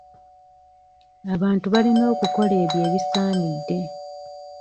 Abantu balina okukola ebyo ebisaanidde.